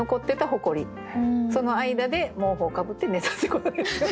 その間で毛布をかぶって寝たってことですよね。